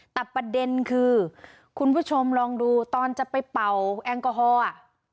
แต่ประเด็นคือคุณผู้ชมลองดูตอนจะไปเป่าแอลกอฮอลอ่ะ